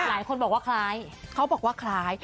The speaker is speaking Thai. หลายคนบอกว่าคล้าย